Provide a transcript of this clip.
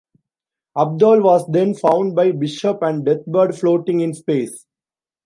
Abdol was then found by Bishop and Deathbird floating in space.